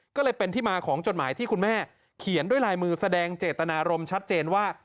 ก็เลยเป็นที่มาของจดหมายที่คุณแม่เขียนด้วยลายมือแสดงเจตนารมณ์ชัดเจนว่า